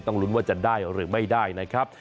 ลุ้นว่าจะได้หรือไม่ได้นะครับ